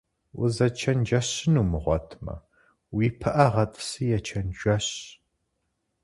Узэчэнджэщын умыгъуэтмэ, уи пыӀэ гъэтӏыси ечэнджэщ.